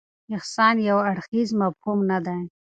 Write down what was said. احسان یو اړخیز مفهوم نه دی.